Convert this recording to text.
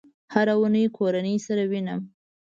هره اونۍ کورنۍ سره وینم